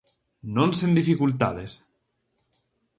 Non sen dificultades.